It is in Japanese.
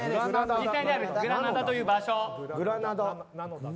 実際にあるグラナダという場所。